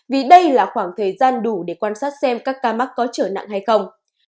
vì đây là khoảng thời gian đủ để quan sát xem các ca mắc có trở nặng hay không